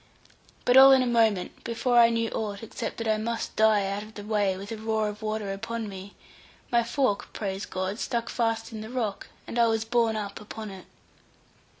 But all in a moment, before I knew aught, except that I must die out of the way, with a roar of water upon me, my fork, praise God stuck fast in the rock, and I was borne up upon it.